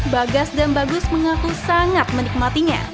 bagas dan bagus mengaku sangat menikmatinya